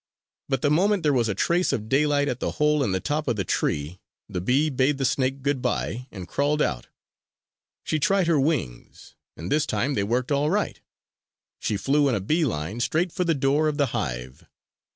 But the moment there was a trace of daylight at the hole in the top of the tree, the bee bade the snake good by and crawled out. She tried her wings; and this time they worked all right. She flew in a bee line straight for the door of the hive.